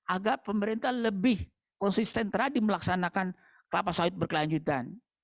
agar pemerintah lebih konsisten terhadap melaksanakan kelapa sawit berkelanjutan